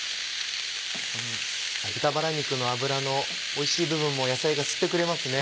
豚バラ肉の脂のおいしい部分も野菜が吸ってくれますね。